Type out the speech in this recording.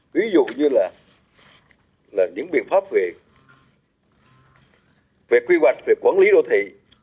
ví dụ như là những biện pháp về quy hoạch về quản lý đô thị